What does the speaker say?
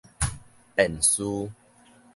辯士